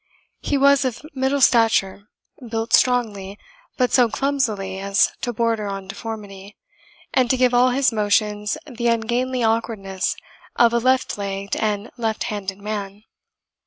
He was of middle stature, built strongly, but so clumsily as to border on deformity, and to give all his motions the ungainly awkwardness of a left legged and left handed man.